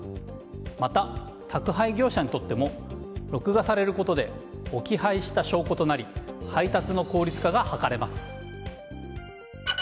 また、宅配業者にとっても録画されることで置き配下証拠となり配達の効率化が図れます。